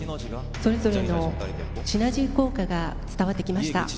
それぞれのシナジー効果が伝わってきました。